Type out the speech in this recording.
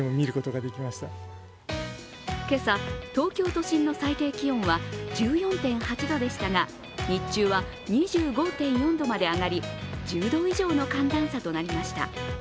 今朝、東京都心の最低気温は１４．８度でしたが日中は２５．４度まで上がり、１０度以上の寒暖差となりました。